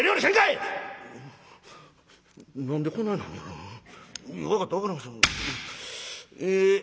いや分かった分かりました。え」。